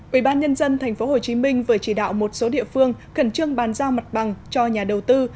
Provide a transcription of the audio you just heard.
ubnd tp hcm vừa chỉ đạo một số địa phương khẩn trương bàn giao mặt bằng cho nhà đầu tư